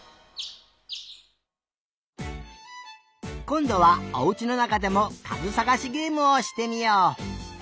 こんどはおうちのなかでもかずさがしゲームをしてみよう！